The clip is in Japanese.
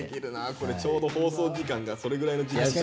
これちょうど放送時間がそれぐらいの時間帯だから。